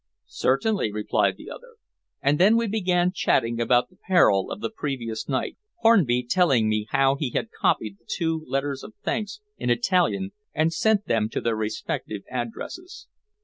"Certainly," replied the other; and then we began chatting about the peril of the previous night, Hornby telling me how he had copied the two letters of thanks in Italian and sent them to their respective addresses.